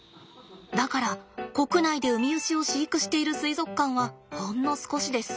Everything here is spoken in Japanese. だから国内でウミウシを飼育している水族館はほんの少しです。